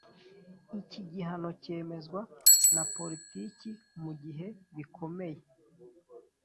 Iki gihano cyemezwa na Politiki mu gihe bikomeye